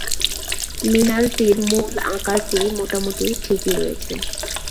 মিনারটির মূল আকারটি মোটামুটি ঠিকই রয়েছে।